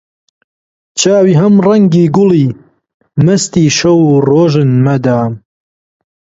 چاوی هەم ڕەنگی گوڵی، مەستی شەو و ڕۆژن مەدام